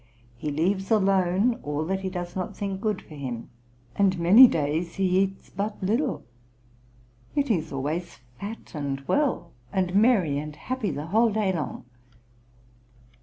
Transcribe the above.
He leaves alone all that he does not think good for him, and many days he eats but little; yet he is always fat and well, and merry and happy the whole day long.